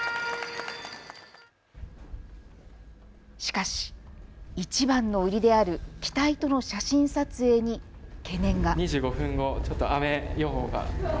しかし、いちばんの売りである機体との写真撮影に懸念が。